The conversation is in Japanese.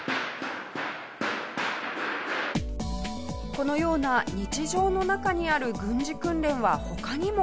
このような日常の中にある軍事訓練は他にも。